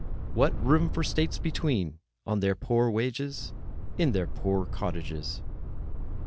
What room for states between—on their poor wage, in their poor cottages?